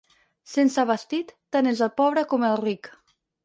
Sense vestit, tant és el pobre com el ric.